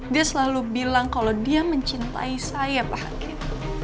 dia selalu bilang kalau dia mencintai saya pak hakim